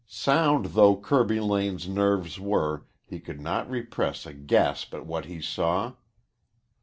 Sound though Kirby Lane's nerves were, he could not repress a gasp at what he saw.